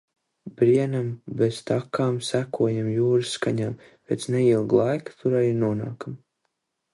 Brienam bez takām, sekojam jūras skaņām. Pēc neilga laika tur arī nonākam.